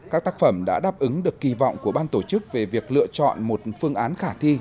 các tác phẩm đã đáp ứng được kỳ vọng của ban tổ chức về việc lựa chọn một phương án khả thi